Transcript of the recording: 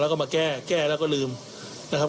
แล้วก็มาแก้แก้แล้วก็ลืมนะครับ